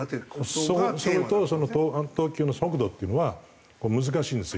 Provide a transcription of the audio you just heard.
それとその投球の速度っていうのは難しいんですよ